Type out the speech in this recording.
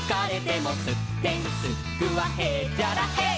「すってんすっくはへっちゃらへい！」